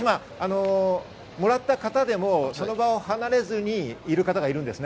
しかし、もらった方でもその場を離れずにいる方がいます。